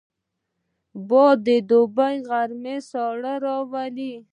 باد د دوبي په غرمه ساړه راولي